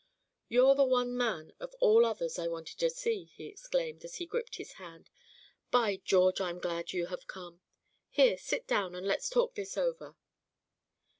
"You're the one man of all others I wanted to see," he exclaimed as he gripped his hand. "By George! I'm glad you have come. Here, sit down and let's talk this over."